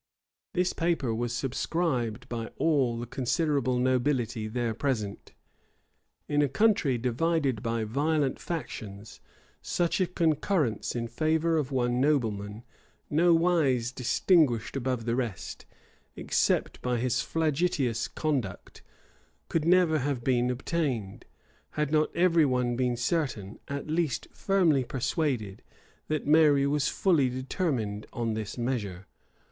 [] This paper was subscribed by all the considerable nobility there present. In a country divided by violent factions, such a concurrence in favor of one nobleman, nowise distinguished above the rest, except by his flagitious conduct, could never have been obtained, had not every one been certain, at least firmly persuaded, that Mary was fully determined on this measure.